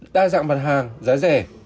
đa dạng mặt hàng giá rẻ